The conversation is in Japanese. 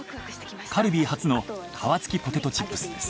カルビー初の皮付きポテトチップスです。